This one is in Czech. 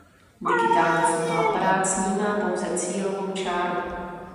Digitální fotoaparát snímá pouze cílovou čáru.